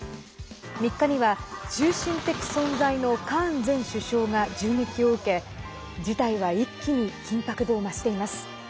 ３日には、中心的存在のカーン前首相が銃撃を受け事態は一気に緊迫度を増しています。